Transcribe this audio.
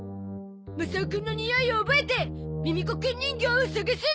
マサオくんのにおいを覚えてミミ子くん人形を捜すんだ！